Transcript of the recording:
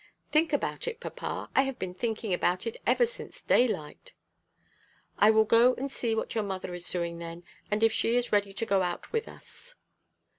"Think about it, papa! I have been thinking about it ever since daylight." "I will go and see what your mother is doing then, and if she is ready to go out with us."